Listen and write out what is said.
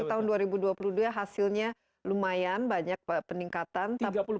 tahun dua ribu dua puluh dua hasilnya lumayan banyak peningkatan